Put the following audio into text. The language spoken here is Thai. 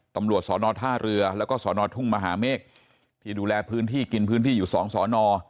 ตำรวจสอนอท่าเรือแล้วก็สอนอทุ่งมหาเมฆที่ดูแลพื้นที่กินพื้นที่อยู่สองสอนอ